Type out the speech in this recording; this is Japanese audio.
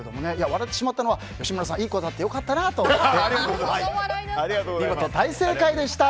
笑ってしまったのは吉村さん、いいことあってよかったなの笑いでした。